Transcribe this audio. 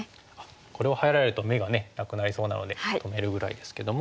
これを入られると眼がなくなりそうなので止めるぐらいですけども。